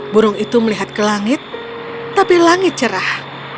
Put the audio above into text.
burung itu melihat ke langit tapi langit cerah